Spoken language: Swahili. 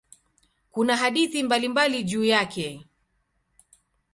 Kuna hadithi mbalimbali juu yake.